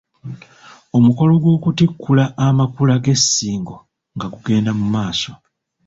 Omukolo gw'okutikkula amakula g'e Ssingo nga gugenda mu maaso.